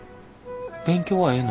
勉強はええの？